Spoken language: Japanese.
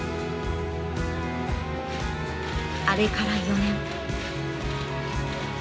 あれから４年。